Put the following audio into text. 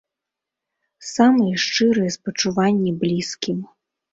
Самыя шчырыя спачуванні блізкім.